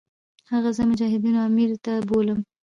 هغه زه مجاهدینو امیر ته بوتلم.